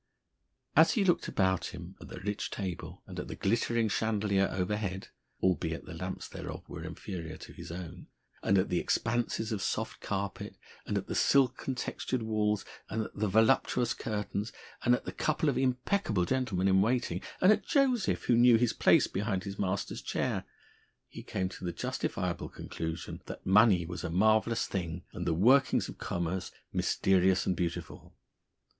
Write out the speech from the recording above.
As he looked about him, at the rich table, and at the glittering chandelier overhead (albeit the lamps thereof were inferior to his own), and at the expanses of soft carpet, and at the silken textured walls, and at the voluptuous curtains, and at the couple of impeccable gentlemen in waiting, and at Joseph who knew his place behind his master's chair, he came to the justifiable conclusion that money was a marvellous thing, and the workings of commerce mysterious and beautiful.